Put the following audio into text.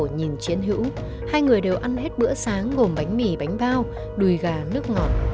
nhìn chiến hữu hai người đều ăn hết bữa sáng gồm bánh mì bánh bao đùi gà nước ngọt